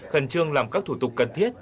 khẩn trương làm các thủ tục cần thiết